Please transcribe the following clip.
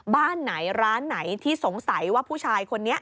บ้านไหนร้านไหนที่สงสัยว่าผู้ชายคนนี้